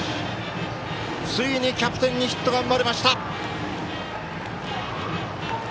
ついにキャプテンにヒットが生まれました。